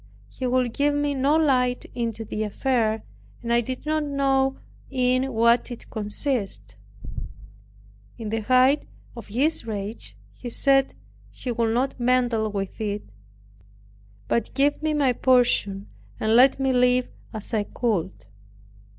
He would give me no light into the affair, and I did not know in what it consisted. In the height of his rage, he said he would not meddle with it, but give me my portion, and let me live as I could.